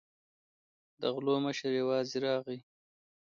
د غلو مشر یوازې راغی.